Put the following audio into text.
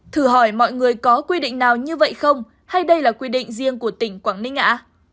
thử hỏi mọi người có quy định nào như vậy không hay đây là quy định riêng của tỉnh quảng ninh á